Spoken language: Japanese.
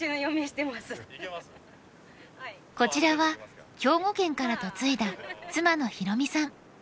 こちらは兵庫県から嫁いだ妻の宏実さん。